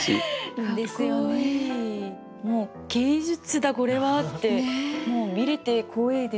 もう「芸術だこれは！」ってもう見れて光栄です。